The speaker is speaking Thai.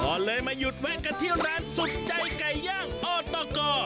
ก็เลยมาหยุดแวะกันที่ร้านสุดใจไก่ย่างอตก